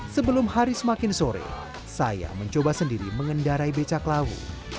sebelum hari semakin sore saya mencoba sendiri mengendarai becak lawu